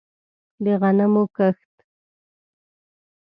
د غنمو کښت